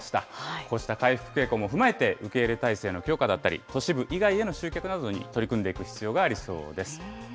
こうした回復傾向も踏まえて、受け入れ体制の強化だったり、都市部以外への集客などに取り組んでいく必要がありそうです。